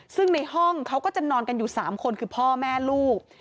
ซึ่งในห้องเขาก็จะนอนกันอยู่๓คนคือพ่อแม่ลูก